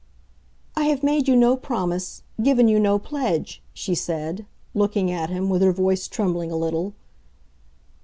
"I have made you no promise—given you no pledge," she said, looking at him, with her voice trembling a little.